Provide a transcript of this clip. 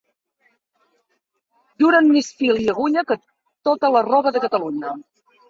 Duren més fil i agulla que tota la roba de Catalunya.